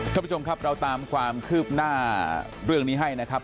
ท่านผู้ชมครับเราตามความคืบหน้าเรื่องนี้ให้นะครับ